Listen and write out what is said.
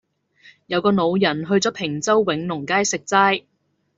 有個老人去左坪洲永隆街食齋